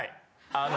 あの。